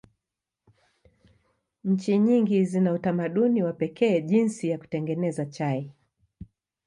Nchi nyingi zina utamaduni wa pekee jinsi ya kutengeneza chai.